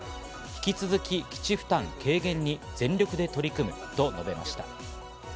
引き続き、基地負担軽減に全力で取り組むと述べました。